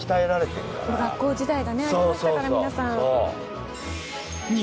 学校時代がありましたから皆さん。